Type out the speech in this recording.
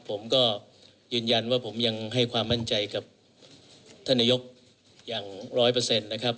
ผมก็ยืนยันว่าผมยังให้ความมั่นใจกับท่านนายกอย่างร้อยเปอร์เซ็นต์นะครับ